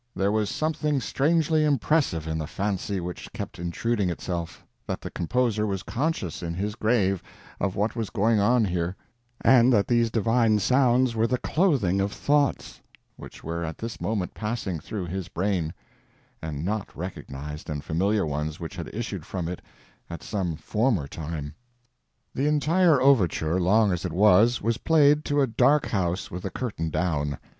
There was something strangely impressive in the fancy which kept intruding itself that the composer was conscious in his grave of what was going on here, and that these divine sounds were the clothing of thoughts which were at this moment passing through his brain, and not recognized and familiar ones which had issued from it at some former time. The entire overture, long as it was, was played to a dark house with the curtain down.